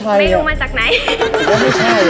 ไม่รู้มาจากไหน